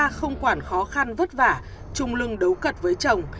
cô ta không quản khó khăn vất vả trùng lưng đấu cật với chồng